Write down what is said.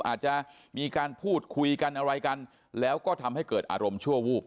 อาจจะมีการพูดคุยกันอะไรกันแล้วก็ทำให้เกิดอารมณ์ชั่ววูบ